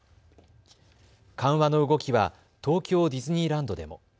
緩和の動きは東京ディズニーランドでも。